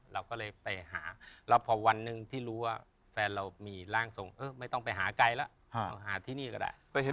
ผมก็เคยไปหาร่างทรงพี่คะเนธ